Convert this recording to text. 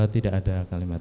tidak ada kalimatnya